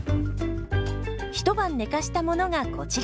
一晩寝かしたものがこちら。